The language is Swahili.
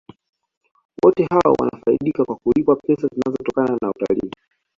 wote hao wanafaidika kwa kulipwa fedha zinazotokana na utalii